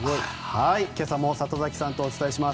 今朝も里崎さんとお伝えします。